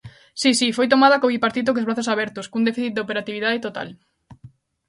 Si, si, foi tomada co Bipartito cos brazos abertos, cun déficit de operatividade total.